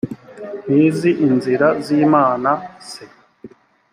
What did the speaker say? ntizi inzira z imana se